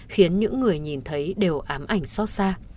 khiến những người nhìn thấy đều ám ảnh xót xa